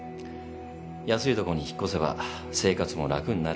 安いとこに引っ越せば生活も楽になる。